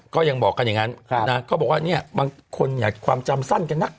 ก็ยังบอกกันอย่างนั้นเขาบอกว่าเนี่ยบางคนอย่าความจำสั้นกันนัก